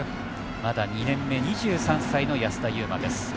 まだ２年目、２３歳の安田悠馬です。